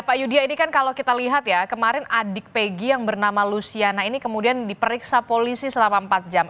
pak yudya ini kan kalau kita lihat ya kemarin adik peggy yang bernama luciana ini kemudian diperiksa polisi selama empat jam